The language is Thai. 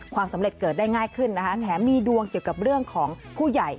สำเร็จเกิดได้ง่ายขึ้นนะคะแถมมีดวงเกี่ยวกับเรื่องของผู้ใหญ่